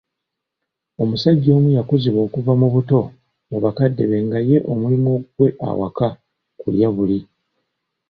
Omusajja omu eyakuzibwa okuva mu buto mu bakadde be nga ye omulimu ogugwe awaka kulya buli.